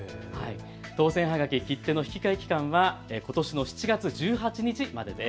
当せんはがき、切手の引き換え期間はことしの７月１８日までです。